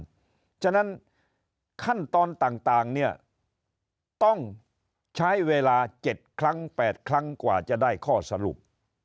เพราะฉะนั้นขั้นตอนต่างต้องใช้เวลา๗๘ครั้งก่อนจะได้ข้อสรุป